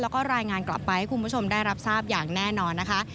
แล้วก็รายงานกลับไปให้คุณผู้ชมได้รับทราบอย่างแน่นอนนะคะ